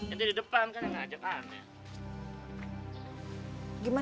itu di depan kan gak ada mana